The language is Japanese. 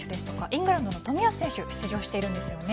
イングランドの冨安選手が出場しています。